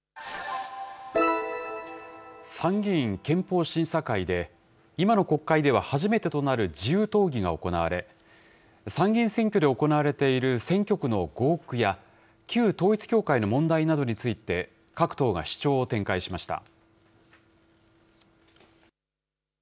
参議院憲法審査会で、今の国会では初めてとなる自由討議が行われ、参議院選挙で行われている選挙区の合区や、旧統一教会の問題などについて、各党が主張を展開しました。